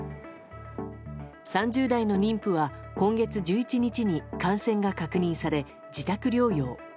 ３０代の妊婦は今月１１日に感染が確認され自宅療養。